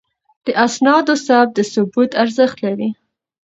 د اسنادو ثبت د ثبوت ارزښت لري.